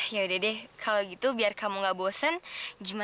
yaudah deh kalau gitu biar kamu gak bosen gimana kalau kita jalan jalan